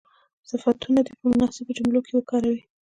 صفتونه دې په مناسبو جملو کې وکاروي.